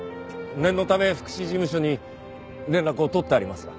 念のため福祉事務所に連絡を取ってありますが。